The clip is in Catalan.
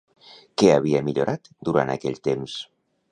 Què havia millorat durant aquell temps?